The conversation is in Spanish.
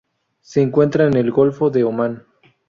Se encuentra en el Golfo de Omán.